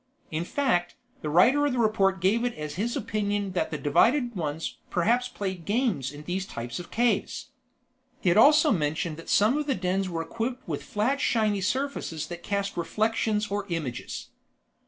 In fact, the writer of the report gave it as his opinion that the divided ones perhaps played games in these types of caves. It also mentioned that some of the dens were equipped with flat shiny surfaces that cast reflections or images.